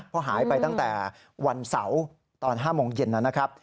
เพราะหายไปตั้งแต่วันเสาร์ตอน๕โมงเย็นนะครับ